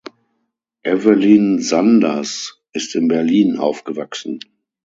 Evelyn Sanders ist in Berlin aufgewachsen.